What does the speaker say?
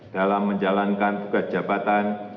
dalam menjalankan tugas jabatan